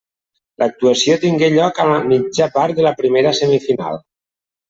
L'actuació tingué lloc a la mitja part de la primera semifinal.